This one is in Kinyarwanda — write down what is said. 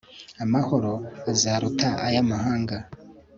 amahoro azaruta ay'amahanga